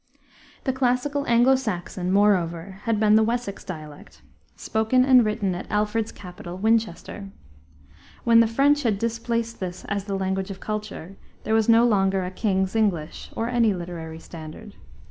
The classical Anglo Saxon, moreover, had been the Wessex dialect, spoken and written at Alfred's capital, Winchester. When the French had displaced this as the language of culture, there was no longer a "king's English" or any literary standard.